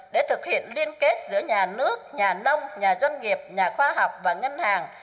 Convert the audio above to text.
để thực hiện liên kết giữa nhà nước nhà nông nhà doanh nghiệp nhà khoa học và ngân hàng